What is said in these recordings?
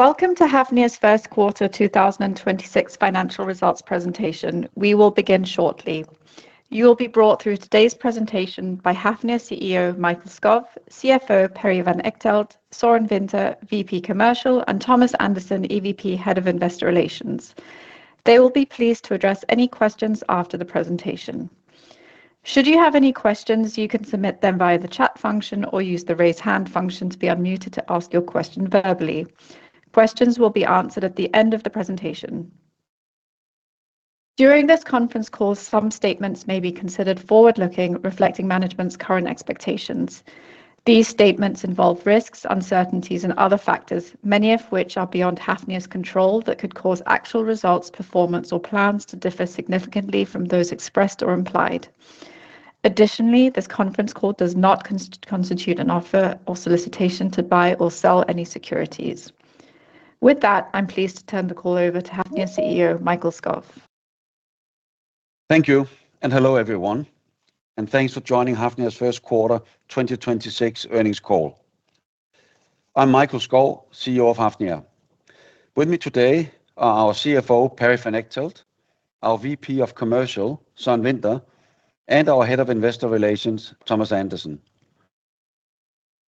Welcome to Hafnia's first quarter 2026 financial results presentation. We will begin shortly. You will be brought through today's presentation by Hafnia CEO Mikael Skov, CFO Perry van Echtelt, Søren Winther, VP Commercial, and Thomas Andersen, EVP Head of Investor Relations. They will be pleased to address any questions after the presentation. Should you have any questions, you can submit them via the chat function or use the raise hand function to be unmuted to ask your question verbally. Questions will be answered at the end of the presentation. During this conference call, some statements may be considered forward-looking, reflecting management's current expectations. These statements involve risks, uncertainties, and other factors, many of which are beyond Hafnia's control, that could cause actual results, performance, or plans to differ significantly from those expressed or implied. Additionally, this conference call does not constitute an offer or solicitation to buy or sell any securities. With that, I am pleased to turn the call over to Hafnia CEO Mikael Skov. Thank you, hello everyone, and thanks for joining Hafnia's first quarter 2026 earnings call. I'm Mikael Skov, CEO of Hafnia. With me today are our CFO, Perry van Echtelt, our VP of Commercial, Søren Winther, and our Head of Investor Relations, Thomas Andersen.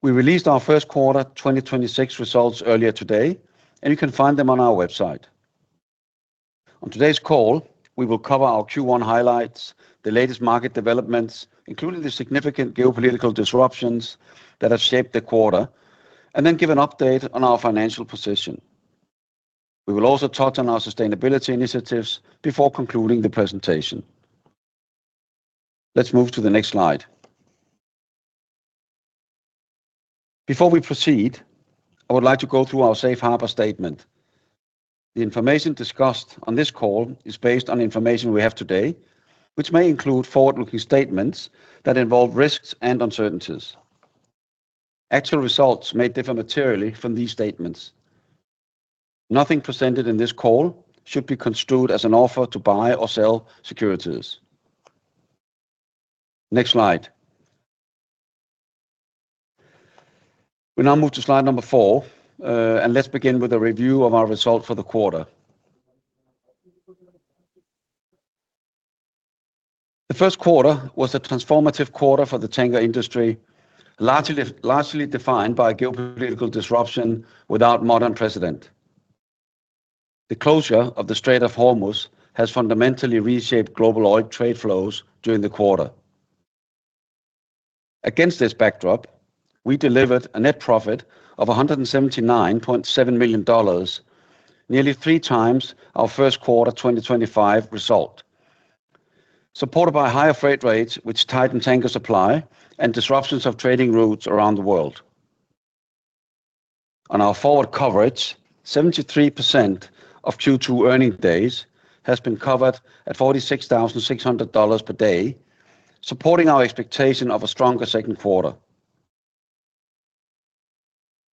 We released our first quarter 2026 results earlier today, and you can find them on our website. On today's call, we will cover our Q1 highlights, the latest market developments, including the significant geopolitical disruptions that have shaped the quarter, and then give an update on our financial position. We will also touch on our sustainability initiatives before concluding the presentation. Let's move to the next slide. Before we proceed, I would like to go through our safe harbor statement. The information discussed on this call is based on information we have today, which may include forward-looking statements that involve risks and uncertainties. Actual results may differ materially from these statements. Nothing presented in this call should be construed as an offer to buy or sell securities. Next slide. We now move to slide number four. Let's begin with a review of our results for the quarter. The first quarter was a transformative quarter for the tanker industry, largely defined by geopolitical disruption without modern precedent. The closure of the Strait of Hormuz has fundamentally reshaped global oil trade flows during the quarter. Against this backdrop, we delivered a net profit of $179.7 million, nearly three times our first quarter 2025 result, supported by higher freight rates, which tightened tanker supply, and disruptions of trading routes around the world. On our forward coverage, 73% of Q2 earning days has been covered at $46,600 per day, supporting our expectation of a stronger second quarter.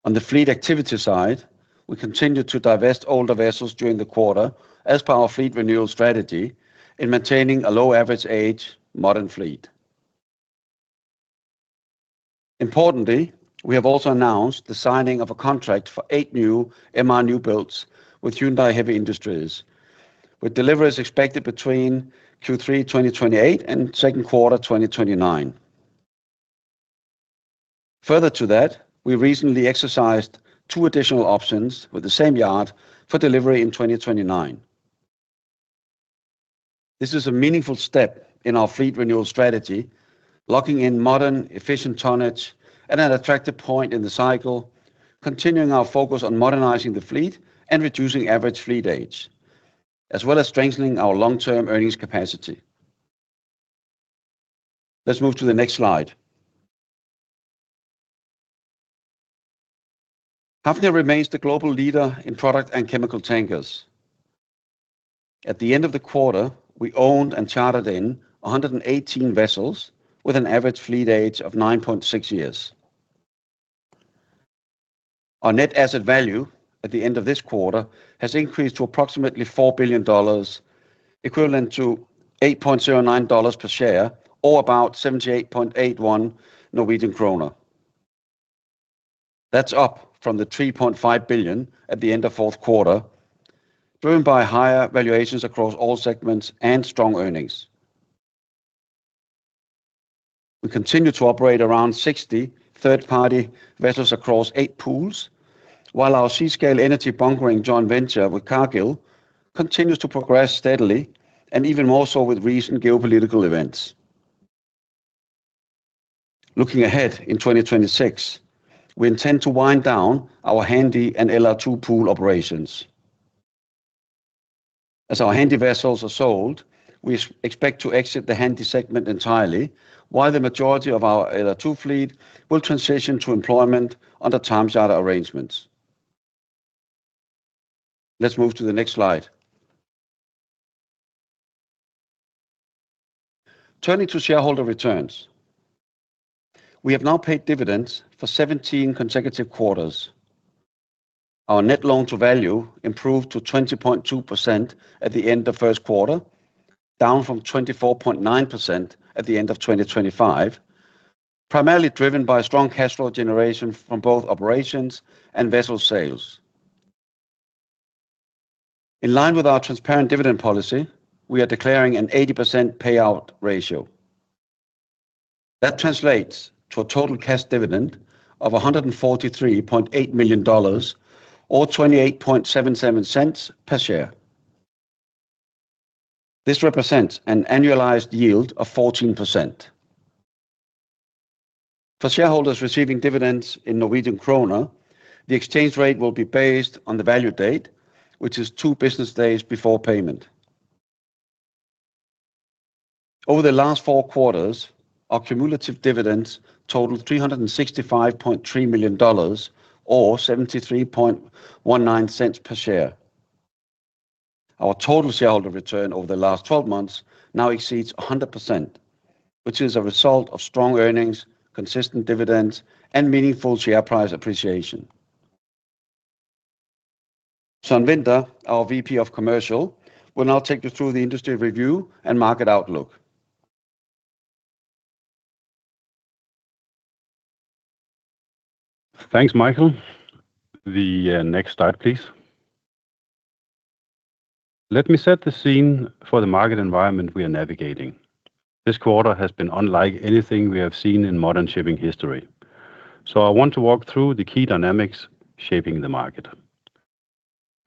On the fleet activity side, we continue to divest older vessels during the quarter as per our fleet renewal strategy in maintaining a low average age, modern fleet. Importantly, we have also announced the signing of a contract for eight new MR new builds with Hyundai Heavy Industries, with deliveries expected between Q3 2028 and second quarter 2029. Further to that, we recently exercised two additional options with the same yard for delivery in 2029. This is a meaningful step in our fleet renewal strategy, locking in modern, efficient tonnage at an attractive point in the cycle, continuing our focus on modernizing the fleet and reducing average fleet age, as well as strengthening our long-term earnings capacity. Let's move to the next slide. Hafnia remains the global leader in product and chemical tankers. At the end of the quarter, we owned and chartered in 118 vessels with an average fleet age of 9.6 years. Our net asset value at the end of this quarter has increased to approximately $4 billion, equivalent to $8.09 per share, or about 78.81 Norwegian kroner. That's up from the $3.5 billion at the end of fourth quarter, driven by higher valuations across all segments and strong earnings. We continue to operate around 60 third-party vessels across eight pools, while our Seascale Energy bunkering joint venture with Cargill continues to progress steadily and even more so with recent geopolitical events. Looking ahead in 2026, we intend to wind down our Handy and LR2 pool operations. As our Handy vessels are sold, we expect to exit the Handy segment entirely, while the majority of our LR2 fleet will transition to employment under time charter arrangements. Let's move to the next slide. Turning to shareholder returns. We have now paid dividends for 17 consecutive quarters. Our net loan-to-value improved to 20.2% at the end of first quarter, down from 24.9% at the end of 2025, primarily driven by strong cash flow generation from both operations and vessel sales. In line with our transparent dividend policy, we are declaring an 80% payout ratio. That translates to a total cash dividend of $143.8 million, or $0.2877 per share. This represents an annualized yield of 14%. For shareholders receiving dividends in Norwegian kroner, the exchange rate will be based on the value date, which is two business days before payment. Over the last four quarters, our cumulative dividends totaled $365.3 million, or $0.7319 per share. Our total shareholder return over the last 12 months now exceeds 100%, which is a result of strong earnings, consistent dividends, and meaningful share price appreciation. Søren Winther, our VP of Commercial, will now take you through the industry review and market outlook. Thanks, Mikael. The next slide, please. Let me set the scene for the market environment we are navigating. This quarter has been unlike anything we have seen in modern shipping history, so I want to walk through the key dynamics shaping the market.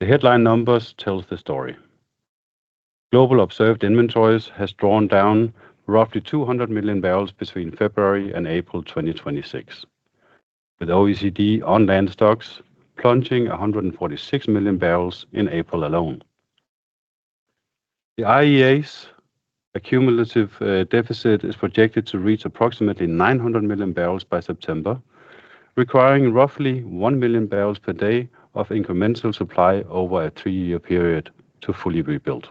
The headline numbers tells the story. Global observed inventories has drawn down roughly 200 million barrels between February and April 2026, with OECD on-hand stocks plunging 146 million barrels in April alone. The IEA's accumulative deficit is projected to reach approximately 900 million barrels by September, requiring roughly 1 million barrels per day of incremental supply over a three-year period to fully rebuild.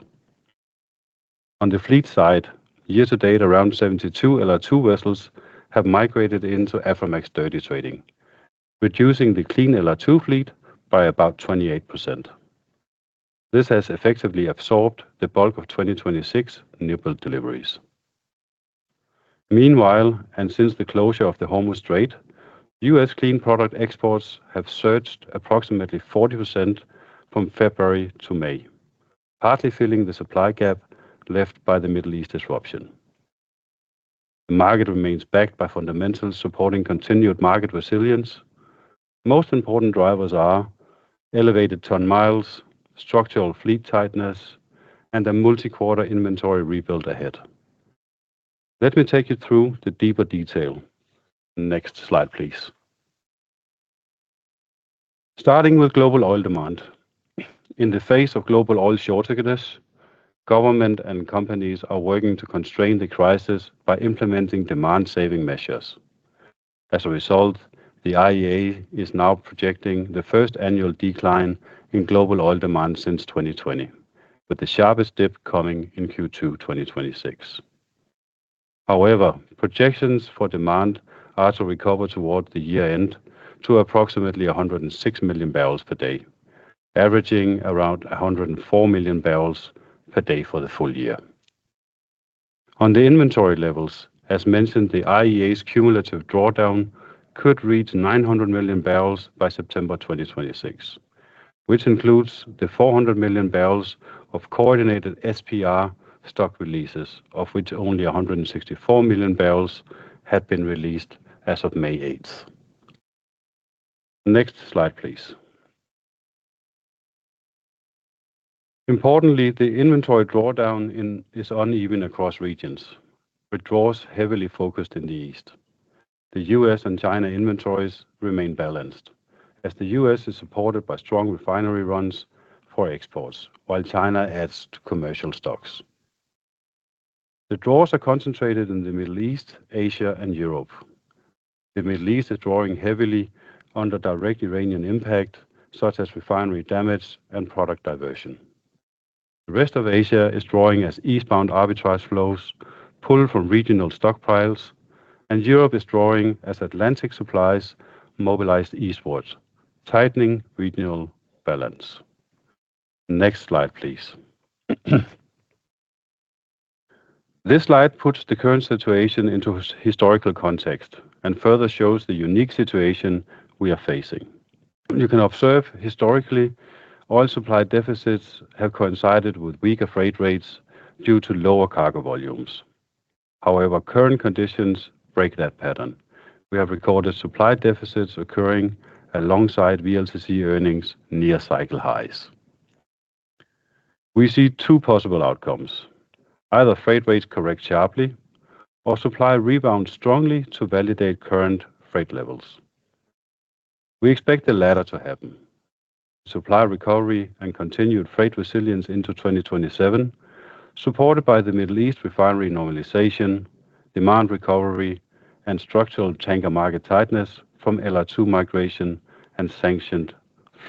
On the fleet side, year to date, around 72 LR2 vessels have migrated into Aframax dirty trading, reducing the clean LR2 fleet by about 28%. This has effectively absorbed the bulk of 2026 newbuild deliveries. Meanwhile, since the closure of the Hormuz Strait, U.S. clean product exports have surged approximately 40% from February to May, partly filling the supply gap left by the Middle East disruption. The market remains backed by fundamentals supporting continued market resilience. Most important drivers are elevated ton-miles, structural fleet tightness, and a multi-quarter inventory rebuild ahead. Let me take you through the deeper detail. Next slide, please. Starting with global oil demand. In the face of global oil shortages, government and companies are working to constrain the crisis by implementing demand-saving measures. As a result, the IEA is now projecting the first annual decline in global oil demand since 2020, with the sharpest dip coming in Q2 2026. However, projections for demand are to recover toward the year-end to approximately 106 million barrels per day, averaging around 104 million barrels per day for the full year. On the inventory levels, as mentioned, the IEA's cumulative drawdown could reach 900 million barrels by September 2026, which includes the 400 million barrels of coordinated SPR stock releases, of which only 164 million barrels have been released as of May 8th. Next slide, please. Importantly, the inventory drawdown is uneven across regions, with draws heavily focused in the East. The U.S. and China inventories remain balanced as the U.S. is supported by strong refinery runs for exports while China adds to commercial stocks. The draws are concentrated in the Middle East, Asia, and Europe. The Middle East is drawing heavily under direct Iranian impact, such as refinery damage and product diversion. The rest of Asia is drawing as eastbound arbitrage flows pull from regional stockpiles. Europe is drawing as Atlantic supplies mobilize eastwards, tightening regional balance. Next slide, please. This slide puts the current situation into historical context and further shows the unique situation we are facing. You can observe historically, oil supply deficits have coincided with weaker freight rates due to lower cargo volumes. Current conditions break that pattern. We have recorded supply deficits occurring alongside VLCC earnings near cycle highs. We see two possible outcomes: either freight rates correct sharply or supply rebounds strongly to validate current freight levels. We expect the latter to happen. Supply recovery and continued freight resilience into 2027, supported by the Middle East refinery normalization, demand recovery, and structural tanker market tightness from LR2 migration and sanctioned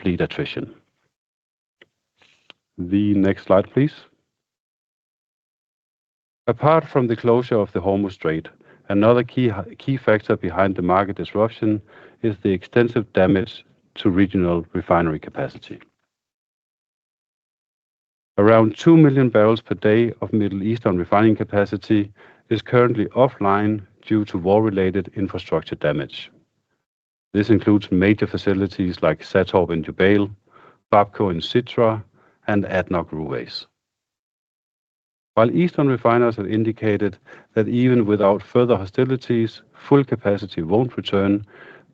fleet attrition. The next slide, please. Apart from the closure of the Hormuz Strait, another key factor behind the market disruption is the extensive damage to regional refinery capacity. Around 2 million barrels per day of Middle Eastern refining capacity is currently offline due to war-related infrastructure damage. This includes major facilities like SATORP in Jubail, Bapco in Sitra, and ADNOC Ruwais. Eastern refiners have indicated that even without further hostilities, full capacity won't return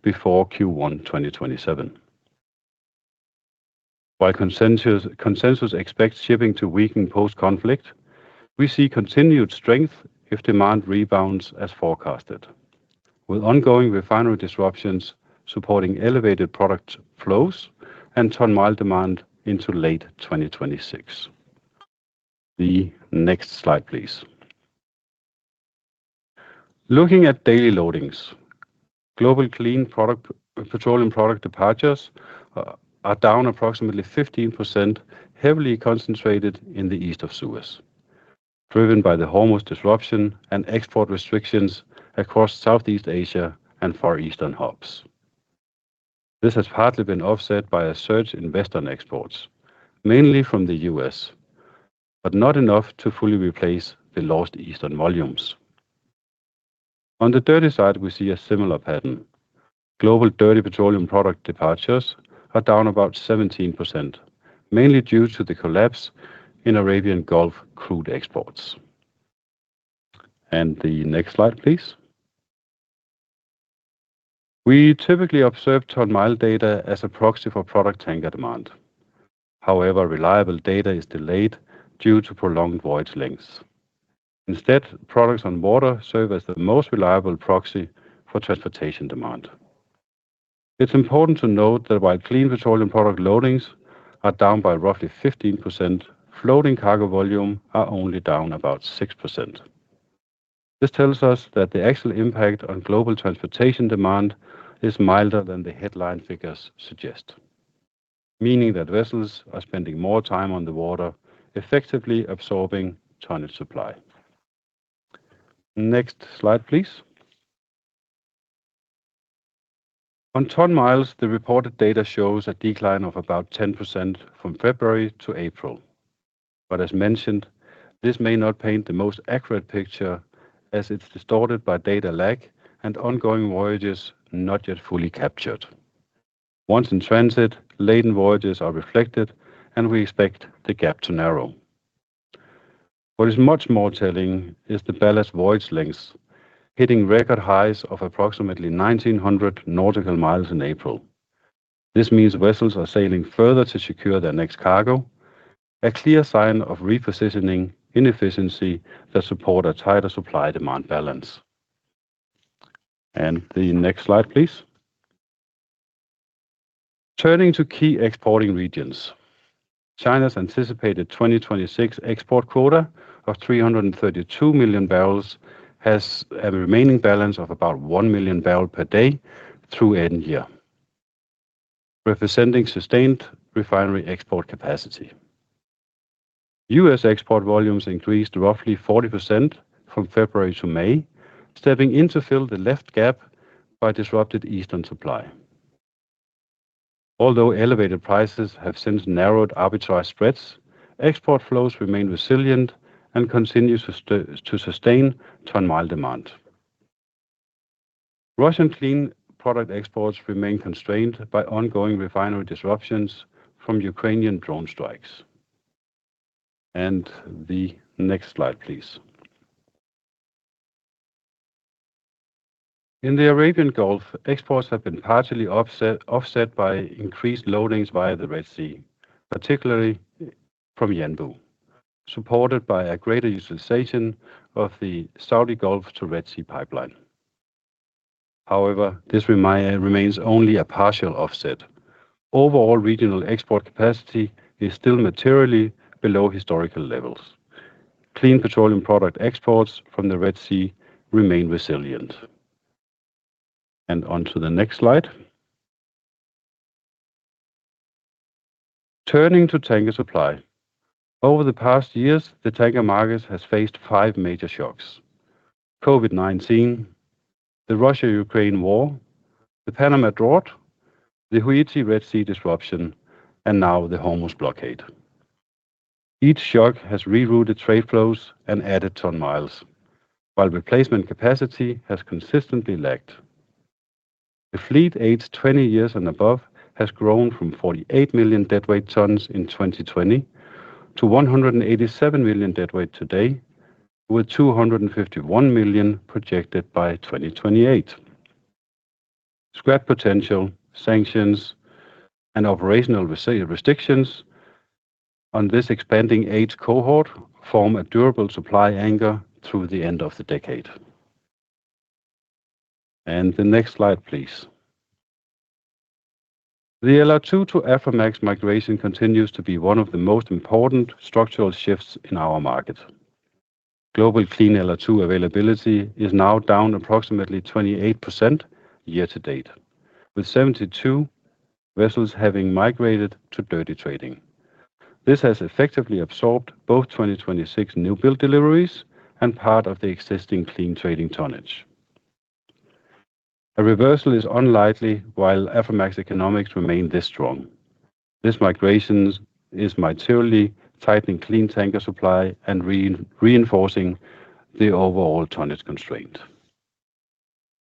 before Q1 2027. Consensus expects shipping to weaken post-conflict, we see continued strength if demand rebounds as forecasted, with ongoing refinery disruptions supporting elevated product flows and ton-mile demand into late 2026. The next slide, please. Looking at daily loadings, global clean petroleum product departures are down approximately 15%, heavily concentrated in the East of Suez, driven by the Hormuz disruption and export restrictions across Southeast Asia and Far Eastern hubs. This has partly been offset by a surge in Western exports, mainly from the U.S., but not enough to fully replace the lost Eastern volumes. On the dirty side, we see a similar pattern. Global dirty petroleum product departures are down about 17%, mainly due to the collapse in Arabian Gulf crude exports. The next slide, please. We typically observe ton-mile data as a proxy for product tanker demand. However, reliable data is delayed due to prolonged voyage lengths. Instead, products on water serve as the most reliable proxy for transportation demand. It's important to note that while clean petroleum product loadings are down by roughly 15%, floating cargo volume are only down about 6%. This tells us that the actual impact on global transportation demand is milder than the headline figures suggest, meaning that vessels are spending more time on the water, effectively absorbing tonnage supply. Next slide, please. On ton-miles, the reported data shows a decline of about 10% from February to April. As mentioned, this may not paint the most accurate picture as it's distorted by data lag and ongoing voyages not yet fully captured. Once in transit, laden voyages are reflected, and we expect the gap to narrow. What is much more telling is the ballast voyage lengths, hitting record highs of approximately 1,900 nautical miles in April. This means vessels are sailing further to secure their next cargo, a clear sign of repositioning inefficiency that support a tighter supply-demand balance. The next slide, please. Turning to key exporting regions, China's anticipated 2026 export quota of 332 million barrels has a remaining balance of about 1 million barrel per day through end year, representing sustained refinery export capacity. U.S. export volumes increased roughly 40% from February to May, stepping in to fill the left gap by disrupted Eastern supply. Although elevated prices have since narrowed arbitrage spreads, export flows remain resilient and continue to sustain ton-mile demand. Russian clean product exports remain constrained by ongoing refinery disruptions from Ukrainian drone strikes. The next slide, please. In the Arabian Gulf, exports have been partially offset by increased loadings via the Red Sea, particularly from Yanbu, supported by a greater utilization of the Saudi Gulf to Red Sea pipeline. However, this remains only a partial offset. Overall regional export capacity is still materially below historical levels. Clean petroleum product exports from the Red Sea remain resilient. Onto the next slide. Turning to tanker supply. Over the past years, the tanker market has faced five major shocks. COVID-19, the Russia-Ukraine War, the Panama drought, the Houthi Red Sea disruption, and now the Hormuz blockade. Each shock has rerouted trade flows and added ton miles, while replacement capacity has consistently lacked. The fleet aged 20 years and above has grown from 48 million deadweight tons in 2020 to 187 million deadweight today, with 251 million projected by 2028. Scrap potential sanctions and operational restrictions on this expanding age cohort form a durable supply anchor through the end of the decade. The next slide, please. The LR2 to Aframax migration continues to be one of the most important structural shifts in our market. Global clean LR2 availability is now down approximately 28% year to date, with 72 Vessels having migrated to dirty trading. This has effectively absorbed both 2026 new build deliveries and part of the existing clean trading tonnage. A reversal is unlikely while Aframax economics remain this strong. This migration is materially tightening clean tanker supply and reinforcing the overall tonnage constraint.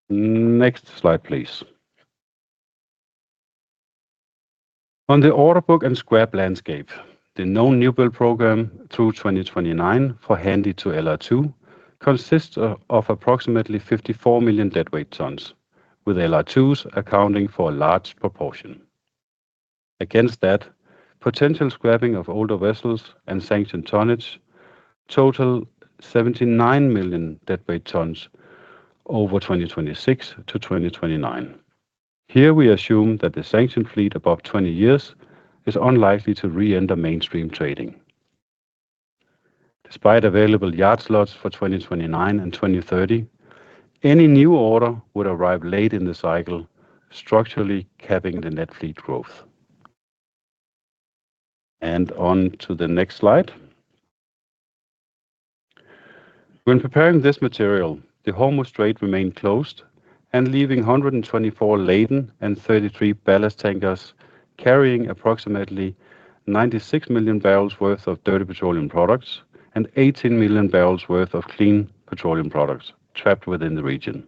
Next slide, please. On the order book and scrap landscape, the known newbuild program through 2029 for Handy to LR2 consists of approximately 54 million deadweight tons, with LR2s accounting for a large proportion. Against that, potential scrapping of older vessels and sanctioned tonnage total 79 million deadweight tons over 2026 to 2029. Here, we assume that the sanctioned fleet above 20 years is unlikely to re-enter mainstream trading. Despite available yard slots for 2029 and 2030, any new order would arrive late in the cycle, structurally capping the net fleet growth. On to the next slide. When preparing this material, the Hormuz Strait remained closed and leaving 124 laden and 33 ballast tankers carrying approximately 96 million barrels worth of dirty petroleum products and 18 million barrels worth of clean petroleum products trapped within the region.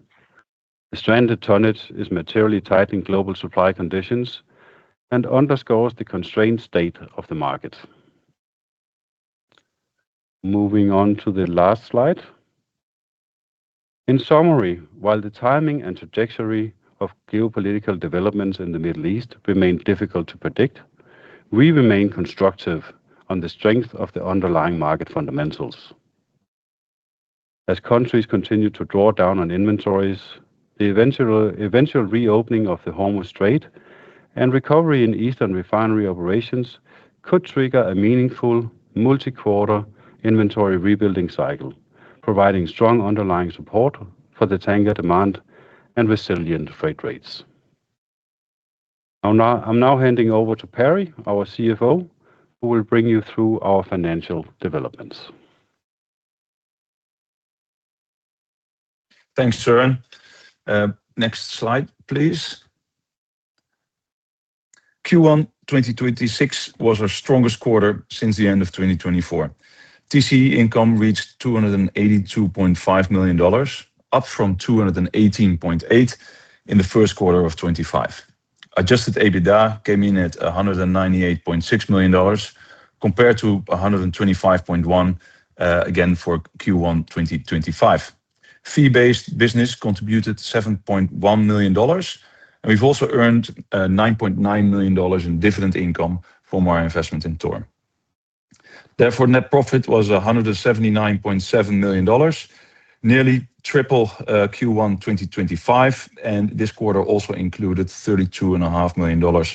The stranded tonnage is materially tight in global supply conditions and underscores the constrained state of the market. Moving on to the last slide. In summary, while the timing and trajectory of geopolitical developments in the Middle East remain difficult to predict, we remain constructive on the strength of the underlying market fundamentals. As countries continue to draw down on inventories, the eventual reopening of the Hormuz Strait and recovery in Eastern refinery operations could trigger a meaningful multi-quarter inventory rebuilding cycle, providing strong underlying support for the tanker demand and resilient freight rates. I'm now handing over to Perry, our CFO, who will bring you through our financial developments. Thanks, Søren. Next slide, please. Q1 2026 was our strongest quarter since the end of 2024. TCE income reached $282.5 million, up from $218.8 million in the first quarter of 2025. Adjusted EBITDA came in at $198.6 million, compared to $125.1 million again for Q1 2025. Fee-based business contributed $7.1 million, and we've also earned $9.9 million in dividend income from our investment in TORM. Therefore, net profit was $179.7 million, nearly triple Q1 2025, and this quarter also included $32.5 million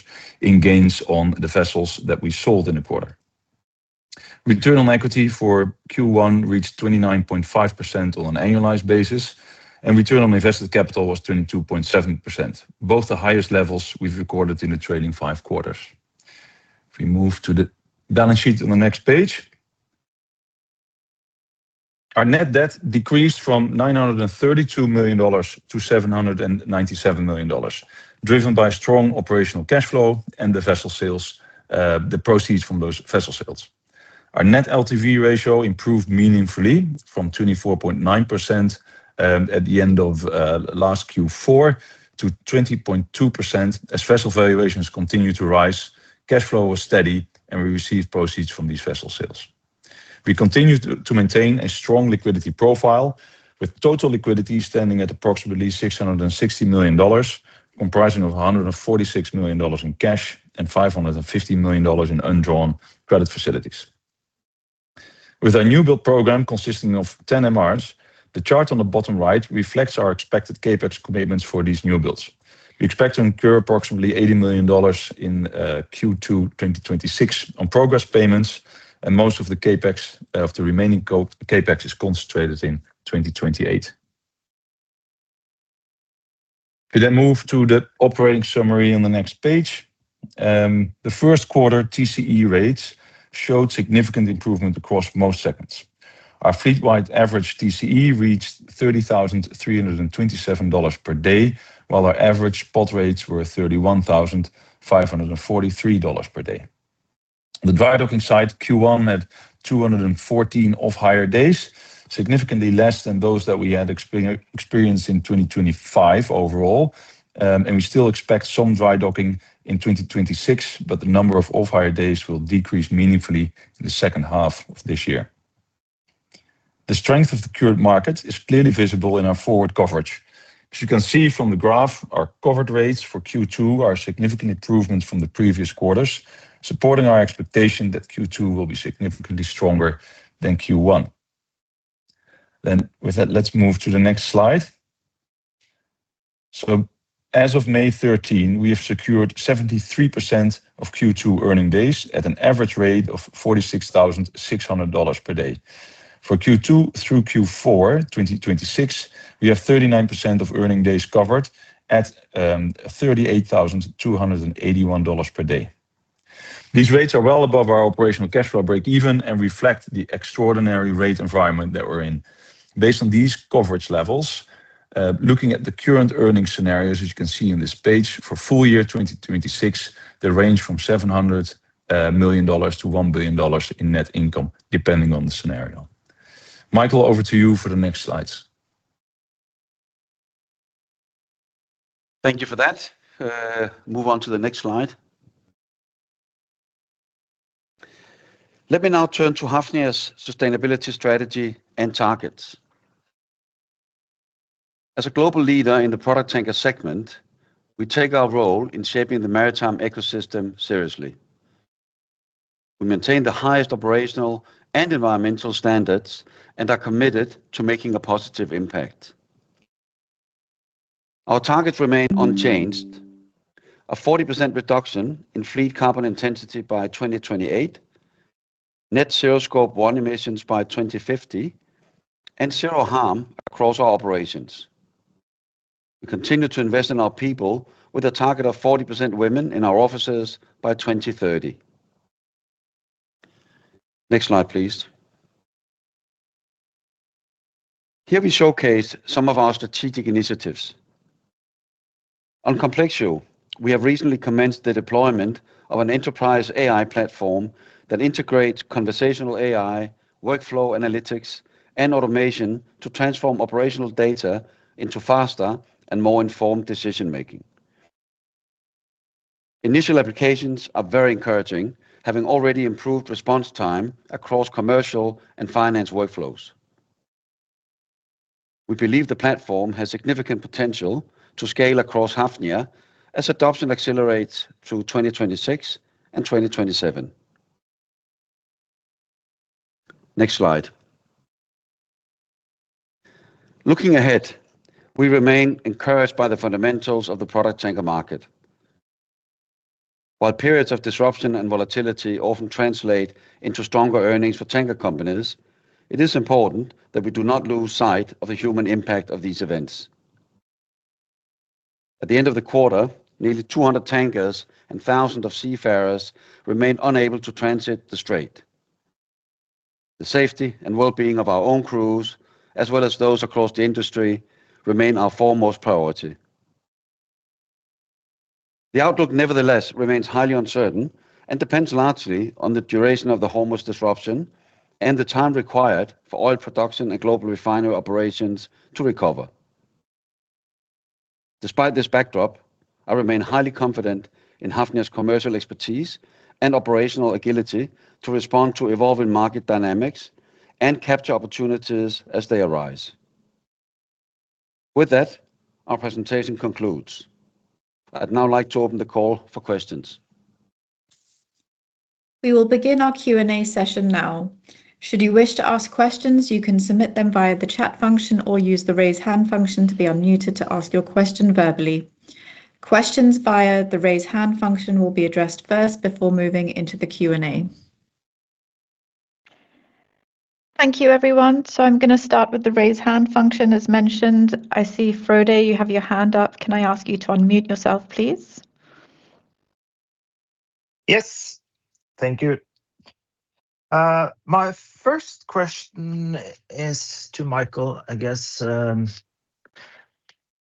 in gains on the vessels that we sold in the quarter. Return on equity for Q1 reached 29.5% on an annualized basis, and return on invested capital was 22.7%, both the highest levels we've recorded in the trailing five quarters. If we move to the balance sheet on the next page. Our net debt decreased from $932 million to $797 million, driven by strong operational cash flow and the vessel sales, the proceeds from those vessel sales. Our net LTV ratio improved meaningfully from 24.9% at the end of last Q4 to 20.2% as vessel valuations continue to rise, cash flow was steady, and we received proceeds from these vessel sales. We continue to maintain a strong liquidity profile with total liquidity standing at approximately $660 million, comprising of $146 million in cash and $515 million in undrawn credit facilities. With our new build program consisting of 10 MRs, the chart on the bottom right reflects our expected CapEx commitments for these new builds. We expect to incur approximately $80 million in Q2 2026 on progress payments, and most of the CapEx, of the remaining CapEx, is concentrated in 2028. We move to the operating summary on the next page. The first quarter TCE rates showed significant improvement across most segments. Our fleet-wide average TCE reached $30,327 per day, while our average spot rates were $31,543 per day. The drydocking side Q1 had 214 off-hire days, significantly less than those that we had experienced in 2025 overall. We still expect some drydocking in 2026, but the number of off-hire days will decrease meaningfully in the second half of this year. The strength of the current market is clearly visible in our forward coverage. As you can see from the graph, our covered rates for Q2 are a significant improvement from the previous quarters, supporting our expectation that Q2 will be significantly stronger than Q1. With that, let's move to the next slide. As of May 13, we have secured 73% of Q2 earning days at an average rate of $46,600 per day. For Q2 through Q4 2026, we have 39% of earning days covered at $38,281 per day. These rates are well above our operational cash flow breakeven and reflect the extraordinary rate environment that we're in. Based on these coverage levels, looking at the current earnings scenarios, as you can see on this page, for full year 2026, they range from $700 million-$1 billion in net income, depending on the scenario. Mikael, over to you for the next slides. Thank you for that. Move on to the next slide. Let me now turn to Hafnia's sustainability strategy and targets. As a global leader in the product tanker segment, we take our role in shaping the maritime ecosystem seriously. We maintain the highest operational and environmental standards and are committed to making a positive impact. Our targets remain unchanged: a 40% reduction in fleet carbon intensity by 2028, net zero Scope 1 emissions by 2050, and zero harm across our operations. We continue to invest in our people with a target of 40% women in our offices by 2030. Next slide, please. Here we showcase some of our strategic initiatives. On Complexio, we have recently commenced the deployment of an enterprise AI platform that integrates conversational AI, workflow analytics, and automation to transform operational data into faster and more informed decision-making. Initial applications are very encouraging, having already improved response time across commercial and finance workflows. We believe the platform has significant potential to scale across Hafnia as adoption accelerates through 2026 and 2027. Next slide. Looking ahead, we remain encouraged by the fundamentals of the product tanker market. While periods of disruption and volatility often translate into stronger earnings for tanker companies, it is important that we do not lose sight of the human impact of these events. At the end of the quarter, nearly 200 tankers and thousands of seafarers remain unable to transit the Strait. The safety and wellbeing of our own crews, as well as those across the industry, remain our foremost priority. The outlook, nevertheless, remains highly uncertain and depends largely on the duration of the Houthi disruption and the time required for oil production and global refinery operations to recover. Despite this backdrop, I remain highly confident in Hafnia's commercial expertise and operational agility to respond to evolving market dynamics and capture opportunities as they arise. With that, our presentation concludes. I'd now like to open the call for questions. We will begin our Q&A session now. Should you wish to ask questions, you can submit them via the chat function or use the raise hand function to be unmuted to ask your question verbally. Questions via the raise hand function will be addressed first before moving into the Q&A. Thank you, everyone. I'm going to start with the raise hand function, as mentioned. I see, Frode, you have your hand up. Can I ask you to unmute yourself, please? Yes. Thank you. My first question is to Mikael, I guess,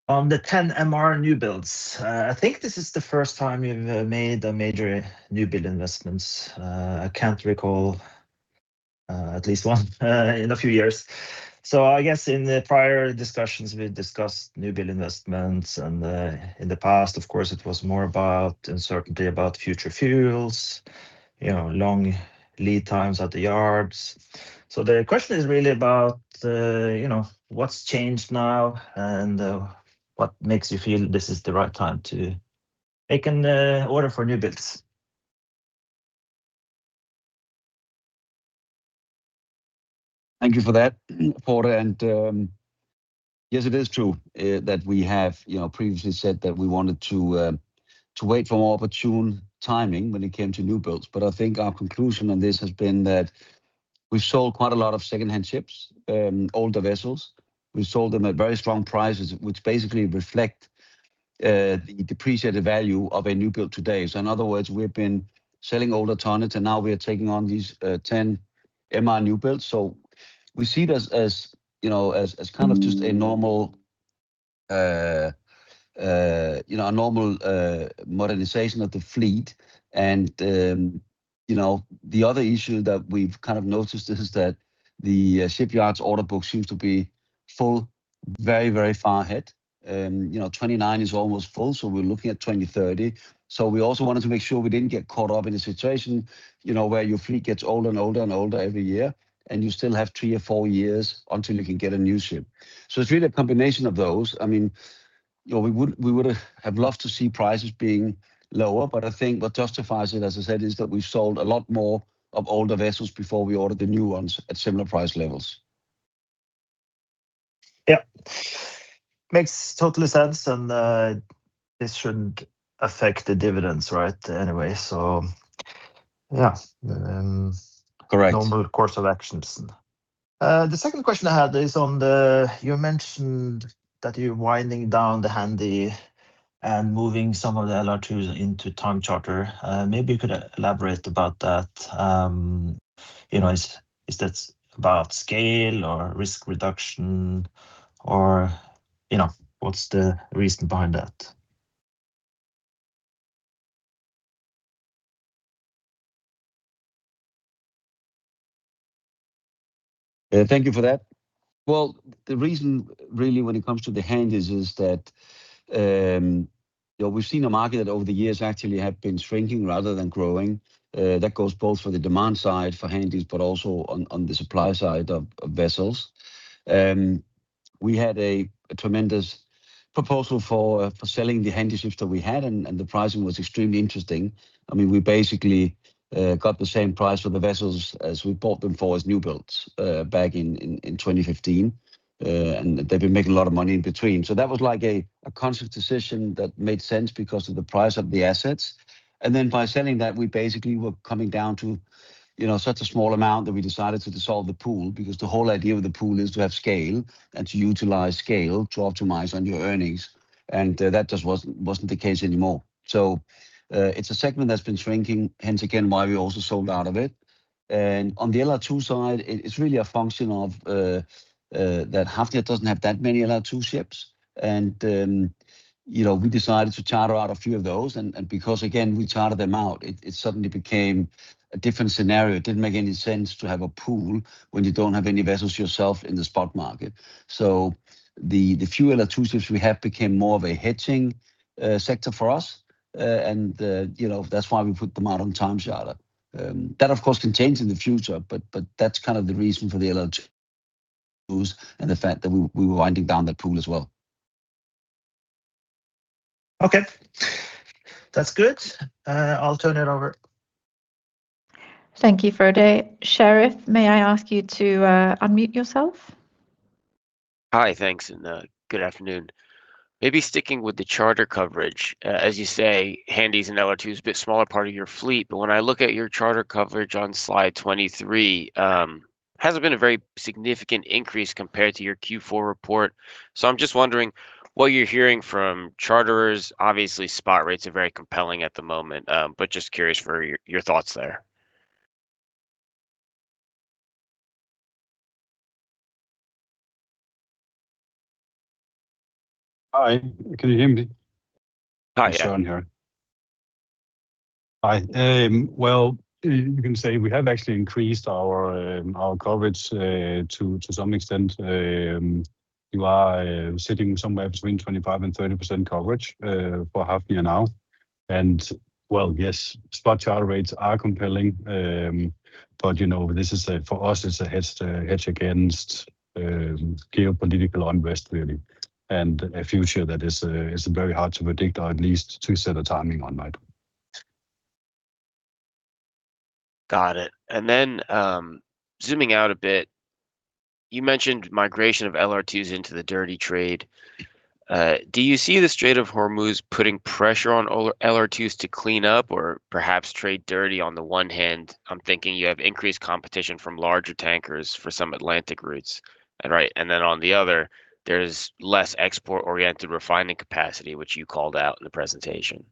on the 10 MR new builds. I think this is the first time you've made a major new build investment. I can't recall at least one in a few years. I guess in the prior discussions, we discussed new build investments, and in the past, of course, it was more about uncertainty about future fuels, long lead times at the yards. The question is really about what's changed now and what makes you feel this is the right time to make an order for new builds. Thank you for that, Frode. Yes, it is true that we have previously said that we wanted to wait for more opportune timing when it came to new builds. I think our conclusion on this has been that we've sold quite a lot of secondhand ships, older vessels. We sold them at very strong prices, which basically reflect the depreciated value of a new build today. In other words, we've been selling older tonnage, and now we are taking on these 10 MR new builds. We see it as kind of just a normal modernization of the fleet. The other issue that we've kind of noticed is that the shipyards order books seems to be full very, very far ahead. 2029 is almost full, we're looking at 2030. We also wanted to make sure we didn't get caught up in a situation where your fleet gets older and older every year, and you still have three or four years until you can get a new ship. It's really a combination of those. We would have loved to see prices being lower, but I think what justifies it, as I said, is that we've sold a lot more of older vessels before we ordered the new ones at similar price levels. Yeah. Makes total sense and this shouldn't affect the dividends, right, anyway. Yeah. Correct. Normal course of actions. The second question I had is you mentioned that you're winding down the Handy and moving some of the LR2s into time charter. Maybe you could elaborate about that. Is that about scale or risk reduction or what's the reason behind that? Thank you for that. Well, the reason really when it comes to the Handys is that we've seen a market that over the years actually have been shrinking rather than growing. That goes both for the demand side for Handys, but also on the supply side of vessels. We had a tremendous proposal for selling the Handy ships that we had and the pricing was extremely interesting. We basically got the same price for the vessels as we bought them for as new builds back in 2015. They've been making a lot of money in between. That was a conscious decision that made sense because of the price of the assets. Then by selling that, we basically were coming down to such a small amount that we decided to dissolve the pool, because the whole idea of the pool is to have scale and to utilize scale to optimize on your earnings. That just wasn't the case anymore. It's a segment that's been shrinking, hence again, why we also sold out of it. On the LR2 side, it's really a function of that Hafnia doesn't have that many LR2 ships. We decided to charter out a few of those and because, again, we chartered them out, it suddenly became a different scenario. It didn't make any sense to have a pool when you don't have any vessels yourself in the spot market. The few LR2 ships we have became more of a hedging sector for us. That's why we put them out on time charter. That of course can change in the future, but that's kind of the reason for the LR2s and the fact that we were winding down that pool as well. Okay. That's good. I'll turn it over. Thank you, Frode. Sherif, may I ask you to unmute yourself? Hi. Thanks, and good afternoon. Maybe sticking with the charter coverage. As you say, Handy and LR2, a bit smaller part of your fleet, but when I look at your charter coverage on slide 23, hasn't been a very significant increase compared to your Q4 report. I'm just wondering what you're hearing from charterers. Obviously, spot rates are very compelling at the moment, just curious for your thoughts there. Hi, can you hear me? Hi. Søren here. Hi. You can say we have actually increased our coverage to some extent. We are sitting somewhere between 25% and 30% coverage for Hafnia now. Yes, spot charter rates are compelling. For us, it's a hedge against geopolitical unrest, really, and a future that is very hard to predict or at least to set a timing on, right? Got it. Then, zooming out a bit, you mentioned migration of LR2s into the dirty trade. Do you see the Strait of Hormuz putting pressure on LR2s to clean up or perhaps trade dirty on the one hand? I'm thinking you have increased competition from larger tankers for some Atlantic routes. Right, then on the other, there's less export-oriented refining capacity, which you called out in the presentation.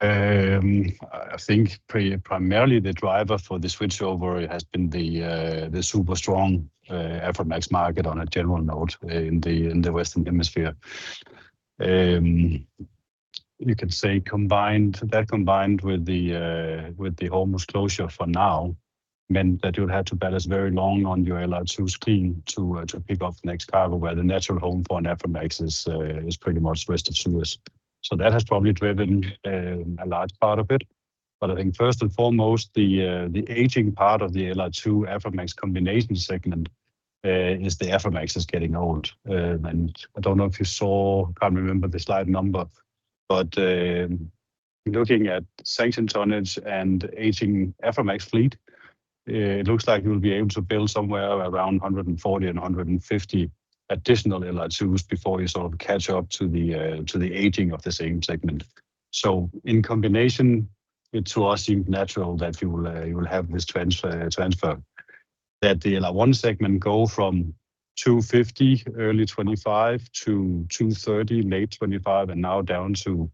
I think primarily the driver for the switchover has been the super strong Aframax market on a general note in the Western Hemisphere. You could say that combined with the Hormuz closure for now, meant that you'll have to balance very long on your LR2s clean to pick up next cargo where the natural home for an Aframax is pretty much west of Suez. That has probably driven a large part of it. I think first and foremost, the aging part of the LR2 Aframax combination segment, is the Aframax is getting old. I don't know if you saw, can't remember the slide number, but looking at sanctioned tonnage and aging Aframax fleet, it looks like we'll be able to build somewhere around 140 and 150 additional LR2s before you sort of catch up to the aging of the same segment. In combination, it to us seemed natural that you will have this transfer. That the LR1 segment go from 250 early 2025 to 230 late 2025 and now down to,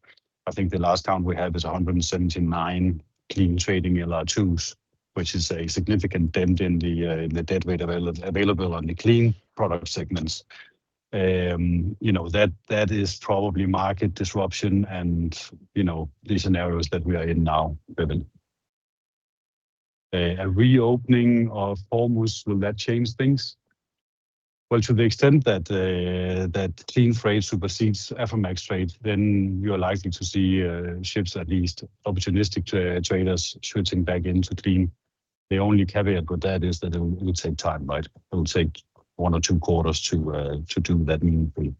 I think the last count we have is 179 clean trading LR2s, which is a significant dent in the deadweight available on the clean product segments. That is probably market disruption and the scenarios that we are in now driven. A reopening of Hormuz, will that change things? To the extent that clean freight supersedes Aframax freight, then you're likely to see ships, at least opportunistic traders switching back into clean. The only caveat with that is that it would take time, right? It will take one or two quarters to do that meaningfully.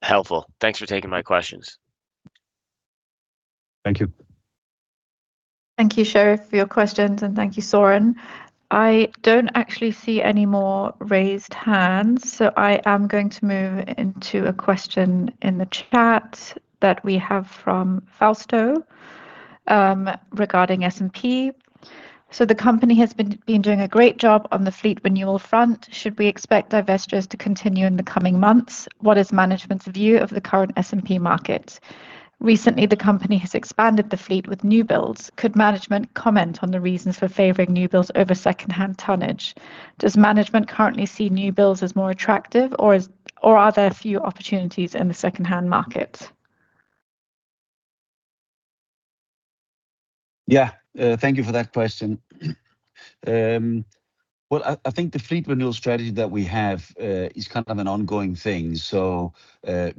Helpful. Thanks for taking my questions. Thank you. Thank you, Sherif, for your questions, and thank you, Søren. I don't actually see any more raised hands. I am going to move into a question in the chat that we have from Fausto regarding S&P. The company has been doing a great job on the fleet renewal front. Should we expect divestitures to continue in the coming months? What is management's view of the current S&P market? Recently, the company has expanded the fleet with new builds. Could management comment on the reasons for favoring new builds over secondhand tonnage? Does management currently see new builds as more attractive or are there few opportunities in the secondhand market? Yeah. Thank you for that question. Well, I think the fleet renewal strategy that we have is kind of an ongoing thing. We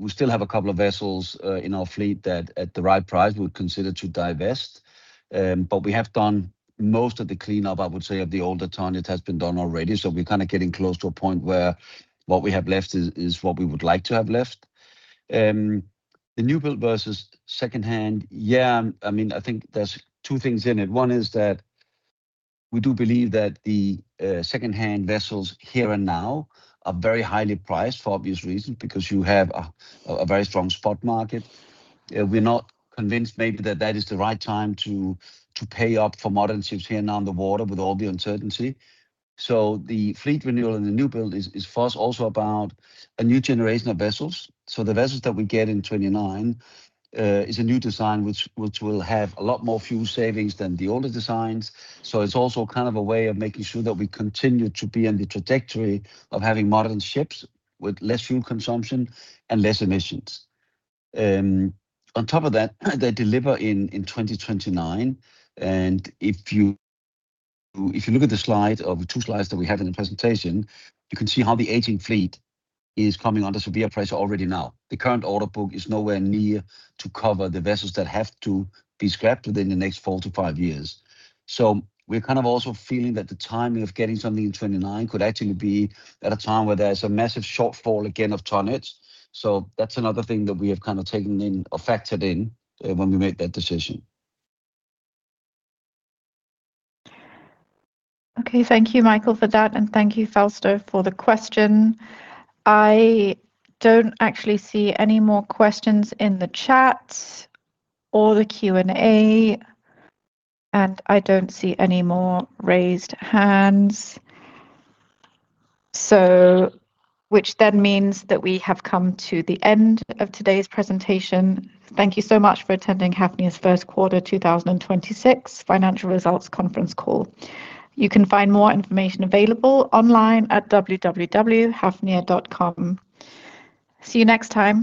still have a couple of vessels in our fleet that at the right price we would consider to divest. We have done most of the cleanup, I would say, of the older tonnage has been done already. We're kind of getting close to a point where what we have left is what we would like to have left. The new build versus secondhand. Yeah, I think there's two things in it. One is that we do believe that the secondhand vessels here and now are very highly priced for obvious reasons, because you have a very strong spot market. We're not convinced maybe that that is the right time to pay up for modern ships here now in the water with all the uncertainty. The fleet renewal and the new build is for us also about a new generation of vessels. The vessels that we get in 2029, is a new design, which will have a lot more fuel savings than the older designs. It's also kind of a way of making sure that we continue to be on the trajectory of having modern ships with less fuel consumption and less emissions. On top of that, they deliver in 2029 and if you look at the slide of two slides that we have in the presentation, you can see how the aging fleet is coming under severe pressure already now. The current order book is nowhere near to cover the vessels that have to be scrapped within the next four to five years. We're kind of also feeling that the timing of getting something in 2029 could actually be at a time where there's a massive shortfall again of tonnage. That's another thing that we have kind of taken in or factored in when we made that decision. Okay. Thank you, Mikael, for that, and thank you, Fausto, for the question. I don't actually see any more questions in the chat or the Q&A, and I don't see any more raised hands. Which then means that we have come to the end of today's presentation. Thank you so much for attending Hafnia's first quarter 2026 financial results conference call. You can find more information available online at www.hafnia.com. See you next time